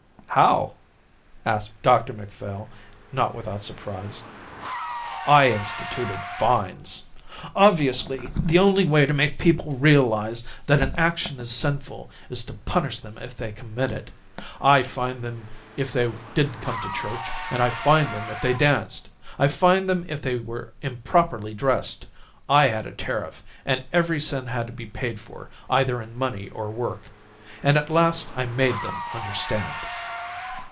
"How?" asked Dr Macphail, not without surprise. "I instituted fines. Obviously the only way to make people realise that an action is sinful is to punish them if they commit it. I fined them if they didn't come to church, and I fined them if they danced. I fined them if they were improperly dressed. I had a tariff, and every sin had to be paid for either in money or work. And at last I made them understand."